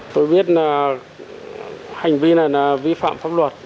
tôi biết là hành vi này là vi phạm pháp luật